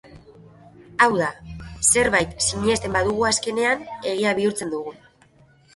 Hau da, zerbait sinesten badugu azkenean egia bihurtzen dugu.